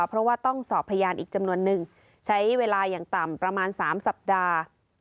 เพราะว่าต้องสอบพยานอีกจำนวนนึงใช้เวลาอย่างต่ำประมาณ๓สัปดาห์